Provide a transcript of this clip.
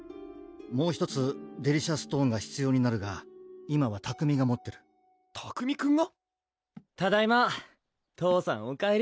もう１つデリシャストーンが必要になるが今は拓海が持ってる拓海くんが？